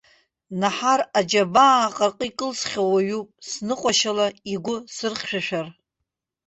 Наҳар аџьабаа аҟырҟы икылсхьоу уаҩуп, сныҟәашьала игәы сырхьшәашәар?